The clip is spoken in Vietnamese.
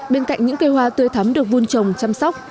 bên cạnh những cây hoa tươi thắm được vun trồng chăm sóc